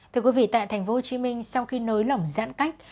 thưa quý vị tại tp hcm sau khi nới lỏng giãn cách